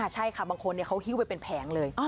ใช่ค่ะบางคนเขาฮิ้วไปเป็นแผงเลย